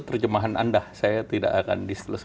terjemahan anda saya tidak akan diselesai